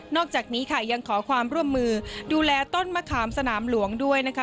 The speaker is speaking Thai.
อกจากนี้ค่ะยังขอความร่วมมือดูแลต้นมะขามสนามหลวงด้วยนะคะ